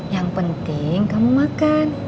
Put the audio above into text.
yang penting kamu makan